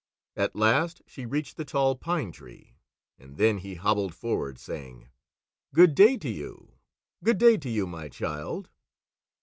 At last she reached the Tall Pine Tree, and then he hobbled forward, saying: "Good day to you! Good day to you, my child!"